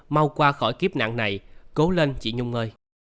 mau qua khỏi kiếp nạn này cố lên chị nhung ơi